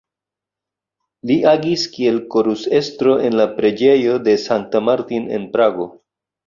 Li agis kiel korusestro en la Preĝejo de Sankta Martin en Prago.